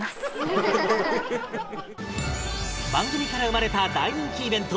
番組から生まれた大人気イベント